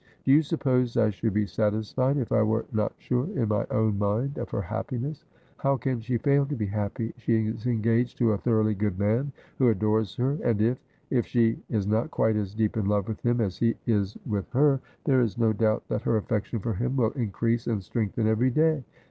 ' Do you suppose I should be satisfied if I were not Sure, in my own mind, of her happiness ? How can she fail to be happy ? She is engaged to a thoroughly good man, who adores her ; and if — if she is not quite as deep in love with him as he is with her, ' And come agen, be it by Day or Night,' 259 there is no doubt that her affection for him will increase and strengthen every day.'